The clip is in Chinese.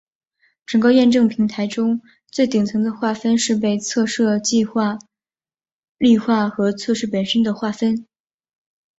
整个验证平台中最顶层的划分是被测设计实例化和测试本身的划分。